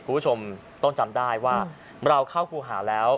คุณผู้ชมต้องจำได้ว่าเราเข้าครูหาแล้ว